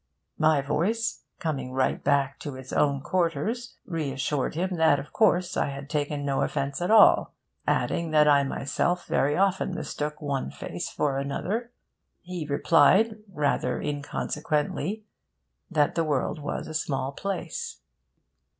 My voice, coming right back to its own quarters, reassured him that of course I had taken no offence at all, adding that I myself very often mistook one face for another. He replied, rather inconsequently, that the world was a small place.